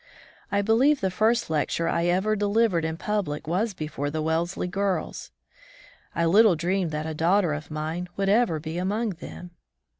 I believe the first lecture I ever delivered in public was before the Wellesley girls. I little dreamed that a daughter of mine would ever be among them!